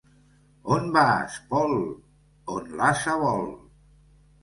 On vas, Pol? On l'ase vol.